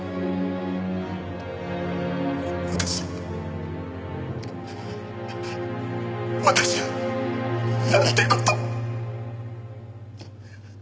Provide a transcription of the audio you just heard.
私は私はなんて事を！